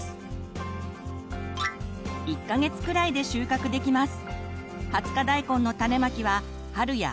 １か月くらいで収穫できます。